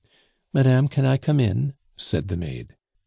"Madame, can I come in?" said the maid.